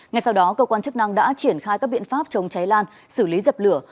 ngay sau đó cơ quan chức năng đã triển khai các biện pháp chống cháy lan xử lý dập lửa